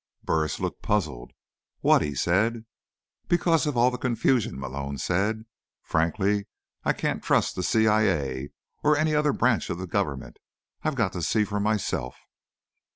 Burris looked puzzled. "What?" he said. "Because of all the confusion," Malone said. "Frankly, I can't trust the CIA, or any other branch of the government. I've got to see for myself."